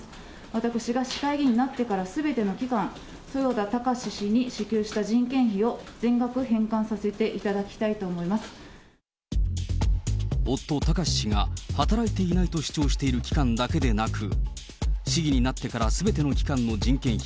私が市会議員になってからすべての期間、豊田貴志氏に支給した人件費を全額返還させていただきたいと思い夫、貴志氏が働いていないと主張している期間だけでなく、市議になってからすべての期間の人件費